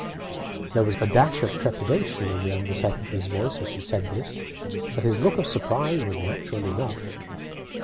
There was a dash of trepidation in the under secretary's voice as he said this, but his look of surprise was natural enough.